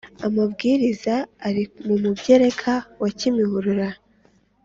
amabwiriza ari mu mugereka wa kimihurura